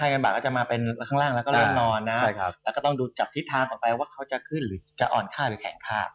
กันบาทก็จะมาเป็นข้างล่างแล้วก็เริ่มนอนนะใช่ครับแล้วก็ต้องดูจากทิศทางต่อไปว่าเขาจะขึ้นหรือจะอ่อนค่าหรือแข็งค่า